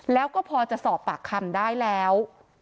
แล้วก็พอจะสอบปากคำได้แล้ว